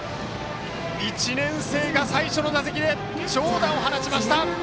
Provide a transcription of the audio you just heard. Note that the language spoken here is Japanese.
１年生が最初の打席で長打を放ちました。